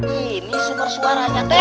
ini suara suaranya teh